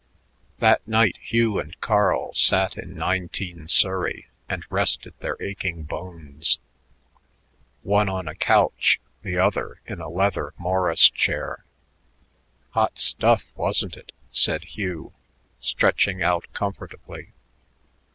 That night Hugh and Carl sat in 19 Surrey and rested their aching bones, one on a couch, the other in a leather Morris chair. "Hot stuff, wasn't it?" said Hugh, stretching out comfortably.